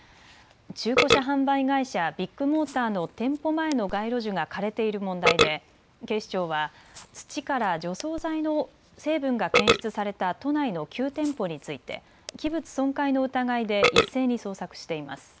中古車販売会社、ビッグモーターの店舗前の街路樹が枯れている問題で警視庁は土から除草剤の成分が検出された都内の９店舗について器物損壊の疑いで一斉に捜索しています。